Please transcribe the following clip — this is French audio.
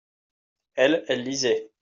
elles, elles lisaient.